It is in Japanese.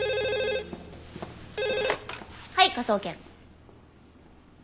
はい科捜研。